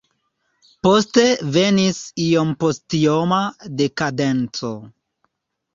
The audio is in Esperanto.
Poste venis iompostioma dekadenco.